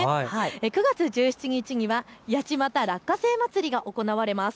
９月１７日にはやちまた落花生まつりが行われます。